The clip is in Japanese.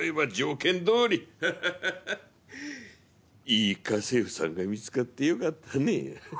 いい家政婦さんが見つかってよかったね。